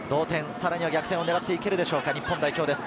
さらには逆転を狙っていけるでしょうか、日本代表です。